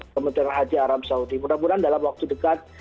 kementerian haji arab saudi mudah mudahan dalam waktu dekat